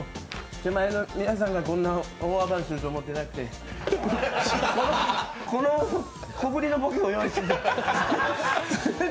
手前の皆さんがこんな大暴れすると思ってなくて、この小ぶりのボケを用意してました。